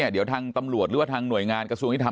เดี๋ยวทางตำรวจหรือว่าทางหน่วยงานกระทรวงยุทธรรม